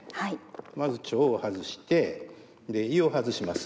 まず腸を外して胃を外します。